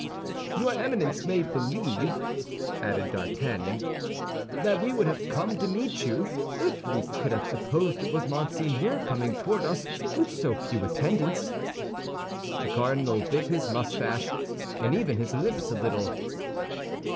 "Your Eminence may believe," added D'Artagnan, "that we would have come to meet you, if we could have supposed it was Monseigneur coming toward us with so few attendants." The cardinal bit his mustache, and even his lips a little.